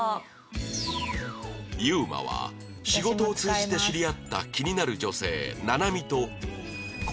ユウマは仕事を通じて知り合った気になる女性ナナミと